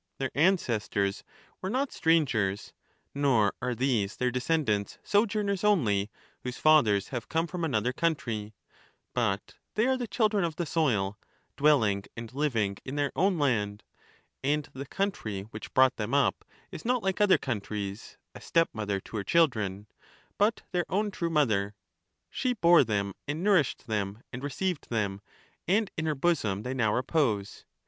Their ancestors were not strangers, nor are these their descendants sojourners only, whose fathers have come from another country ; but they are the children of the soil, dwelling and living in their own land. And the country which brought them up is not like other countries, a stepmother to her children, but their own true mother; she bore them and nourished them and re ceived them, and in her bosom they now repose.